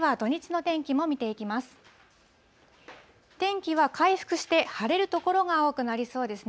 天気は回復して晴れる所が多くなりそうですね。